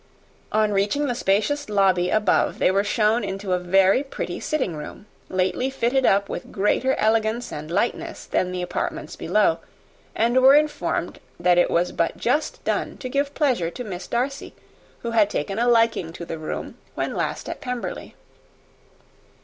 On reaching the spacious lobby above, they were shown into a very pretty sitting room, lately fitted up with greater elegance and lightness than the apartments below; and were informed that it was but just done to give pleasure to Miss Darcy, who had taken a liking to the room, when last at Pemberley.